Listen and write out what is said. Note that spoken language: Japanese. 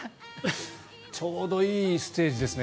ちょうどいいステージですね。